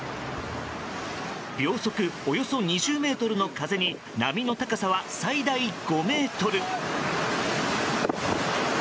秒速およそ２０メートルの風に波の高さは最大５ｍ。